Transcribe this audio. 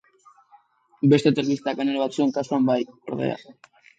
Beste telebista-kanal batzuen kasuan bai, ordea.